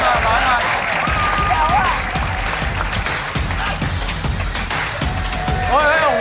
เอาแล้ว